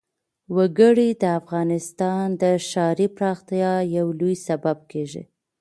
وګړي د افغانستان د ښاري پراختیا یو لوی سبب کېږي.